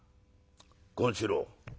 権四郎